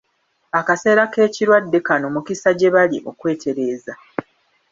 Akaseera k'ekirwadde kano mukisa gye bali okweetereza.